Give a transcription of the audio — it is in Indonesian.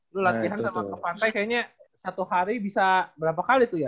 dulu latihan sama ke pantai kayaknya satu hari bisa berapa kali tuh ya